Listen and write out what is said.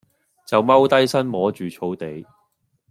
就踎低身摸住草地